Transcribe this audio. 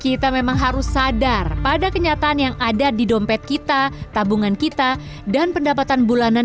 kita memang harus sadar pada kenyataan yang ada di dompet kita tabungan kita dan pendapatan bulanan